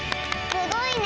すごいね！